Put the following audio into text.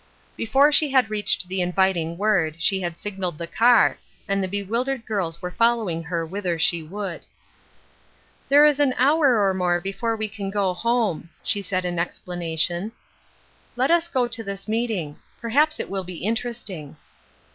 '' Before she had reached the inviting word, she had signaled the car, and the bewildered girla were following her whither she would. " There is an hour or more before we can go home," she said in explanation. " Let us go to this meeting. Perhaps it will be interesting."